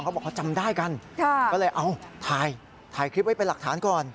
เขาบอกเขาจำได้กันก็เลยเอาถ่ายถ่ายคลิปไว้เป็นหลักฐานก่อน